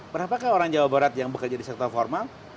berapakah orang jawa barat yang bekerja di sektor formal